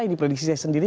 ini prediksi saya sendiri